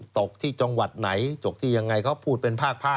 ตกที่จังหวัดไหนตกที่ยังไงเขาพูดเป็นภาค